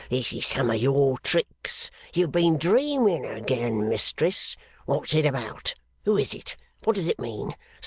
This is some of your tricks! You have been dreaming again, mistress. What's it about? Who is it? What does it mean!